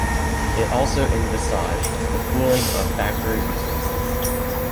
It also envisaged the pooling of factory resources.